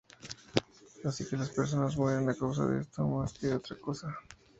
Así que las personas mueren a causa de esto más que de otra cosa.